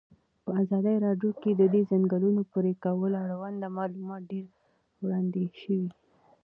په ازادي راډیو کې د د ځنګلونو پرېکول اړوند معلومات ډېر وړاندې شوي.